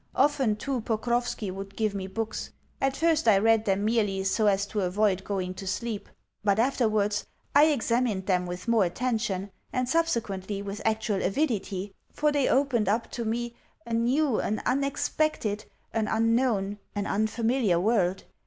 Often, too, Pokrovski would give me books. At first I read them merely so as to avoid going to sleep, but afterwards I examined them with more attention, and subsequently with actual avidity, for they opened up to me a new, an unexpected, an unknown, an unfamiliar world.